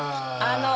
あの！